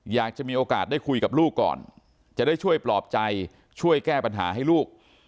อยากจะมีโอกาสได้คุยกับลูกก่อนจะได้ช่วยปลอบใจช่วยแก้ปัญหาให้ลูก